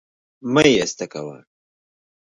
مه يې ايسته کوه